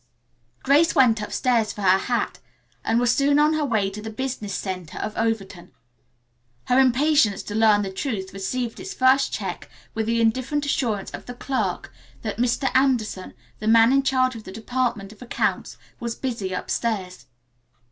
Grace went upstairs for her hat and was soon on her way to the business center of Overton. Her impatience to learn the truth received its first check with the indifferent assurance of the clerk that Mr. Anderson, the man in charge of the department of accounts, was busy upstairs.